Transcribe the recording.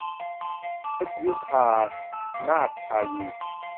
เพ็ญยุภา นาฏคายี